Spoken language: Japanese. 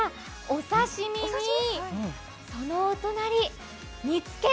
お刺身にそのお隣、煮付け。